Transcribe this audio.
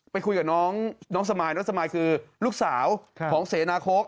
ไปคุยกับน้องสมายน้องสมายคือลูกสาวของเสนาโค้ก